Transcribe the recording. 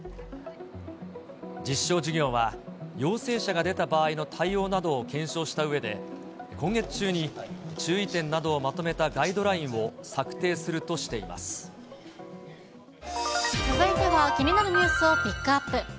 実証事業は、陽性者が出た場合の対応などを検証したうえで、今月中に注意点などをまとめたガイドラインを策定するとしていま続いては、気になるニュースをピックアップ。